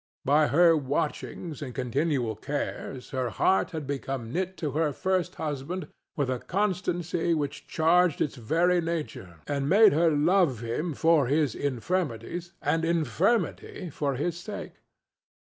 By her watchings and continual cares her heart had become knit to her first husband with a constancy which changed its very nature and made her love him for his infirmities, and infirmity for his sake.